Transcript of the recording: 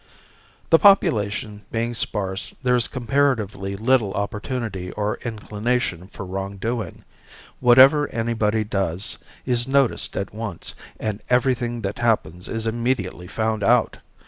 The population being sparse there is comparatively little opportunity or inclination for wrongdoing. Whatever anybody does is noticed at once and everything that happens is immediately found out.